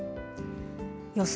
予想